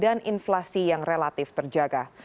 dan inflasi yang relatif terjaga